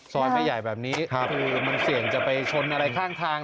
ไม่ใหญ่แบบนี้คือมันเสี่ยงจะไปชนอะไรข้างทาง